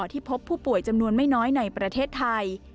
ที่พบผู้ป่วยจำนวนไม่น้อยในประเทศไทย